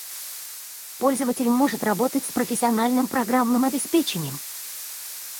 Пользователь может работать с профессиональным программным обеспечением